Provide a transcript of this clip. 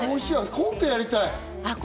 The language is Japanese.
コントやりたい？